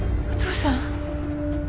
お父さん？